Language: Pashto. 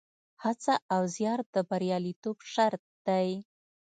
هڅه او زیار د بریالیتوب شرط دی.